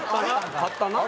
買ったな。